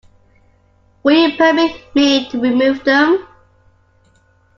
Will you permit me to remove them?